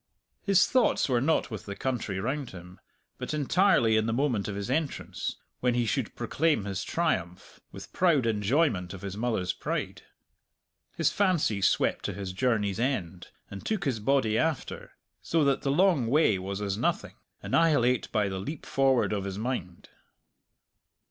His thoughts were not with the country round him, but entirely in the moment of his entrance, when he should proclaim his triumph, with proud enjoyment of his mother's pride. His fancy swept to his journey's end, and took his body after, so that the long way was as nothing, annihilate by the leap forward of his mind.